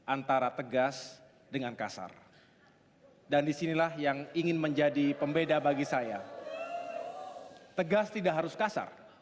antara tegas dengan kasar dan disinilah yang ingin menjadi pembeda bagi saya tegas tidak harus kasar